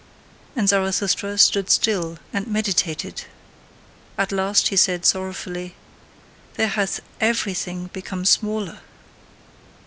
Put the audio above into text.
And Zarathustra stood still and meditated. At last he said sorrowfully: "There hath EVERYTHING become smaller!